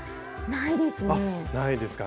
ないですか。